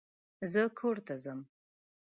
زه کور ته ځم.